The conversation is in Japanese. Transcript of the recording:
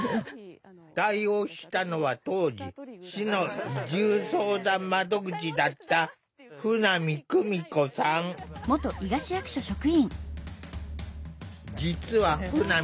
対応したのは当時市の移住相談窓口だった実は舩見さん